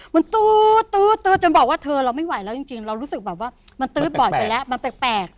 มันตื๊ดจนบอกว่าเธอเราไม่ไหวแล้วจริงเรารู้สึกแบบว่ามันตื๊ดบ่อยไปแล้วมันแปลก